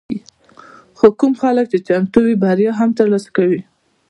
خو کوم خلک چې چمتو وي، بریا هم ترلاسه کوي.